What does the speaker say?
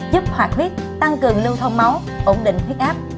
giúp hoạt huyết tăng cường lưu thông máu ổn định huyết áp